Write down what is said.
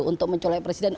untuk mencolok presiden